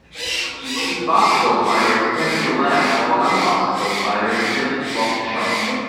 A basketball player is attempting a layup while another basketball player is attempting to block the shot.